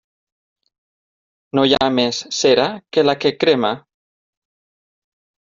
No hi ha més cera que la que crema.